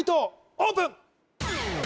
オープン